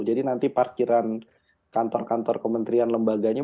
jadi nanti parkiran kantor kantor kementerian lembaganya